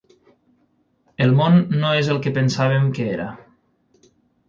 El món no és el que pensaven que era.